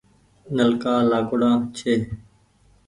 نلڪآ لآگوڙآ ڇي